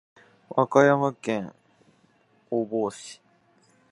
和歌山県御坊市